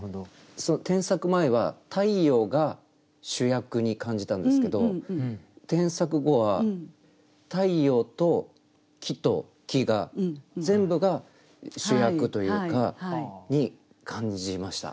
添削前は「太陽」が主役に感じたんですけど添削後は「太陽」と「木と木」が全部が主役というかに感じました。